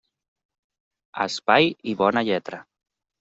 A espai i bona lletra.